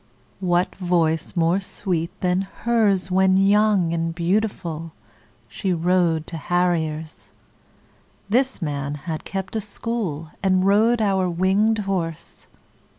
What voice more sweet than hers When young and beautiful, She rode to harriers? This man had kept a school And rode our winged horse.